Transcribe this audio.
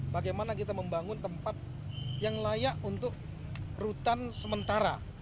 bagaimana kita membangun tempat yang layak untuk rutan sementara